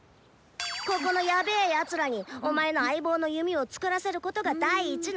ここのヤベェやつらにお前の相棒の弓を作らせることが第一の課題だ！